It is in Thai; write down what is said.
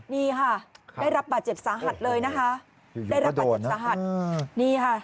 นี่ค่ะได้รับบาดเจ็บสาหัสเลยนะคะได้รับบาดเจ็บสาหัสนี่ค่ะ